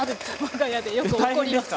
わが家でよく起こります。